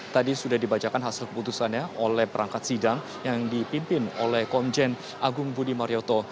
tadi sudah dibacakan hasil keputusannya oleh perangkat sidang yang dipimpin oleh komjen agung budi marioto